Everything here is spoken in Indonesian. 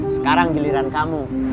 sekarang giliran kamu